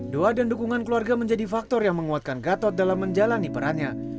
doa dan dukungan keluarga menjadi faktor yang menguatkan gatot dalam menjalani perannya